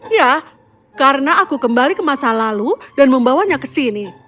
ya karena aku kembali ke masa lalu dan membawanya ke sini